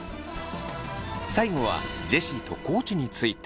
最後はジェシーと地について。